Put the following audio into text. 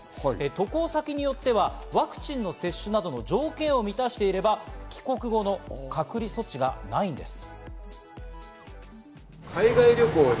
渡航先によってはワクチンの接種などの条件を満たしていれば、帰国後の隔離措置がないんです。